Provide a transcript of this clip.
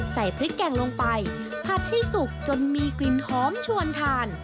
ใส่พริกแกงลงไปผัดให้สุกจนมีกลิ่นหอมชวนทาน